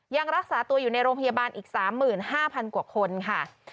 ยังรักษาตัวอยู่ในโรงพยาบาลอีก๓๕๐๐กว่าคนค่ะ